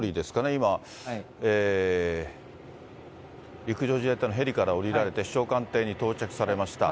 今、陸上自衛隊のヘリから降りられて、首相官邸に到着されました。